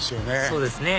そうですね